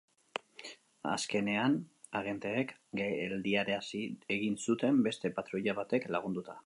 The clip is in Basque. Azkenean, agenteek geldiarazi egin zuten beste patruila batek lagunduta.